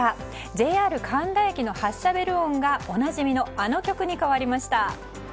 ＪＲ神田駅の発車ベル音がおなじみのあの曲に変わりました。